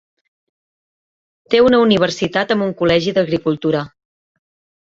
Té una universitat amb un col·legi d'agricultura.